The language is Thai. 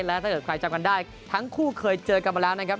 และถ้าเกิดใครจำกันได้ทั้งคู่เคยเจอกันมาแล้วนะครับ